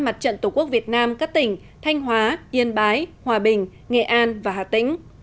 mặt trận tổ quốc việt nam các tỉnh thanh hóa yên bái hòa bình nghệ an và hà tĩnh